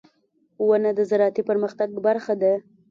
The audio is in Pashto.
• ونه د زراعتي پرمختګ برخه ده.